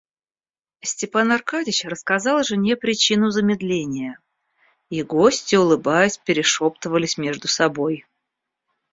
Степан Аркадьич рассказал жене причину замедления, и гости улыбаясь перешептывались между собой.